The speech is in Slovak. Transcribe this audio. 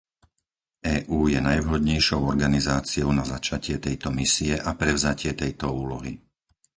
EÚ je najvhodnejšou organizáciou na začatie tejto misie a prevzatie tejto úlohy.